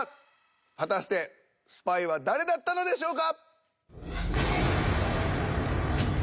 果たしてスパイは誰だったのでしょうか？